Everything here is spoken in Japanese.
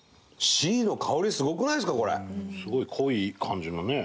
すごい濃い感じのね